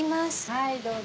はいどうぞ。